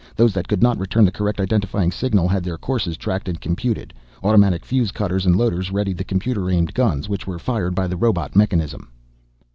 Those that could not return the correct identifying signal had their courses tracked and computed, automatic fuse cutters and loaders readied the computer aimed guns which were fired by the robot mechanism."